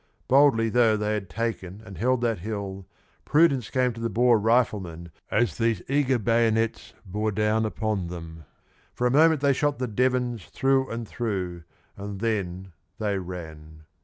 Boldly though they had taken and held that hill, prudence came to the Boer riflemen as these eager bayonets bore down upon them. For a moment they shot the Devons through and through, and then they ran.